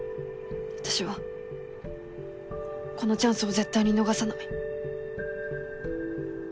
私はこのチャンスを絶対に逃さない。